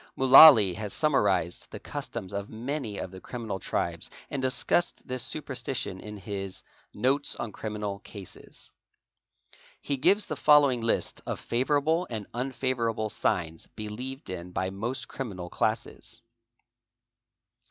Mudllaly has summarised the customs of many of the criminal tribes and discussed this superstition in his 'Notes on Criminal Classes." He gives the follow ing list of favourable and unfavourable signs believed in by most criminal classes.